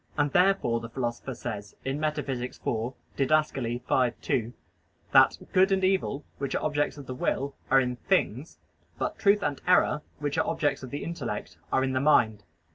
And therefore the Philosopher says in Metaph. vi (Did. v, 2) that "good and evil," which are objects of the will, "are in things," but "truth and error," which are objects of the intellect, "are in the mind."